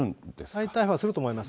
再逮捕はすると思います。